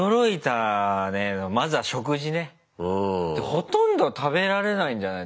ほとんど食べられないんじゃない？